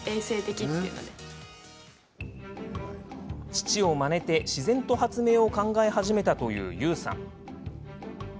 父をまねて、自然と発明を考え始めたという由羽さん。